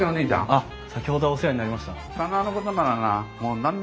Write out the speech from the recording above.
あっ先ほどはお世話になりました。